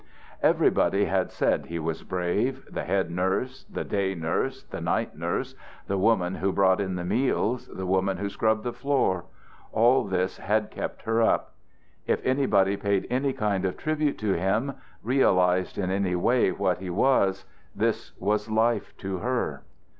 Everybody had said he was brave, the head nurse, the day nurse, the night nurse, the woman who brought in the meals, the woman who scrubbed the floor. All this had kept her up. If anybody paid any kind of tribute to him, realized in any way what he was, this was life to her.